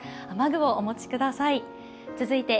雨具をお持ちください。